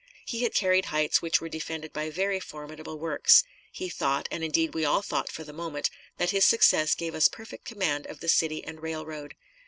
He had carried heights which were defended by very formidable works. He thought and, indeed, we all thought for the moment that his success gave us perfect command of the city and railroad.